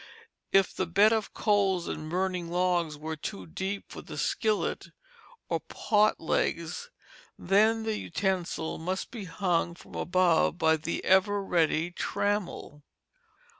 If the bed of coals and burning logs were too deep for the skillet or pot legs, then the utensil must be hung from above by the ever ready trammel.